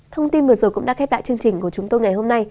thông tin vừa rồi cũng đã kết lại chương trình